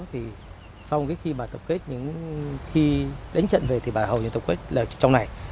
thì sau khi bà tập kết khi đánh trận về thì bà hầu như tập kết là trong này